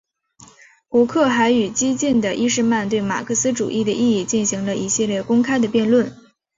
胡克还与激进的伊士曼对马克思主义的意义进行了一系列公开的辩论。